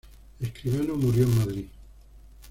Escribano murió en Madrid.